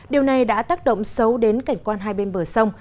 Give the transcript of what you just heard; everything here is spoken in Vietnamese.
điều này đã tác động xấu đến cảnh quan hai bên bờ sông